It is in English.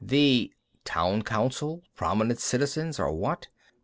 The (town council? prominent citizens? or what?)